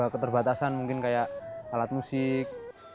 keterbatasan mungkin kayak alat musik